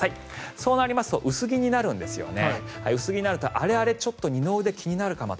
そうすると薄着になるんですよね。